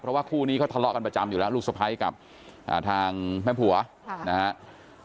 เพราะว่าคู่นี้เขาทะเลาะกันประจำอยู่แล้วลูกสะพ้ายกับทางแม่ผัวนะครับ